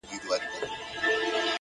پرمختګ دوامداره حرکت غواړي